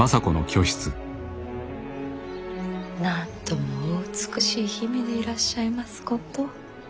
なんともお美しい姫でいらっしゃいますこと。